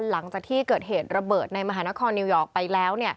หลังจากที่เกิดเหตุระเบิดในมหานครนิวยอร์กไปแล้ว